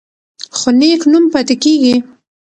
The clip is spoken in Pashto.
خو نېک نوم پاتې کیږي.